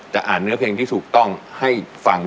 อ่านเนื้อเพลงที่ถูกต้องให้ฟัง